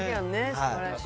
すばらしい。